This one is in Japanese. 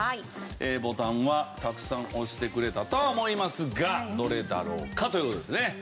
ボタンはたくさん押してくれたとは思いますがどれだろうかという事ですね。